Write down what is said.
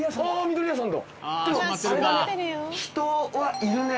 人はいるね。